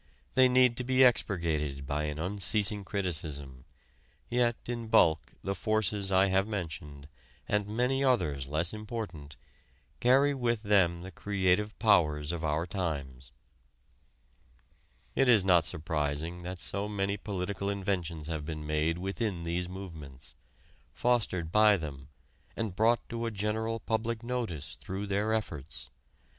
They need to be expurgated by an unceasing criticism; yet in bulk the forces I have mentioned, and many others less important, carry with them the creative powers of our times. It is not surprising that so many political inventions have been made within these movements, fostered by them, and brought to a general public notice through their efforts.